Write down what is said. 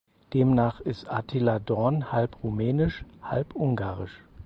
Demnach ist Attila Dorn halb rumänisch halb ungarisch.